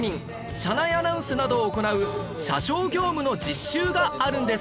車内アナウンスなどを行う車掌業務の実習があるんです